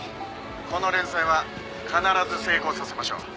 「この連載は必ず成功させましょう」